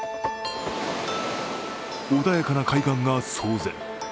穏やかな海岸が騒然。